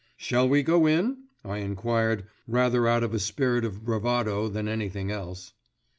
"Shall we go in?" I enquired, rather out of a spirit of bravado than anything else.